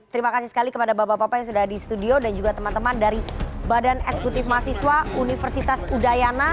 terima kasih sekali kepada bapak bapak yang sudah di studio dan juga teman teman dari badan eksekutif mahasiswa universitas udayana